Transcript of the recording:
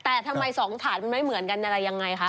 แต่ทำไม๒ถาดไม่เหมือนกันเป็นอะไรอย่างไรคะ